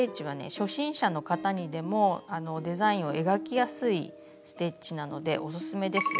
初心者の方にでもデザインを描きやすいステッチなのでオススメですよ。